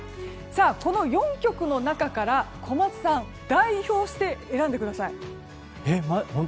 さあ、この４曲の中から小松さん、代表して選んでください。